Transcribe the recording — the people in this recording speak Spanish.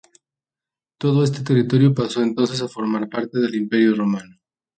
Todo este territorio pasó entonces a formar parte del Imperio romano.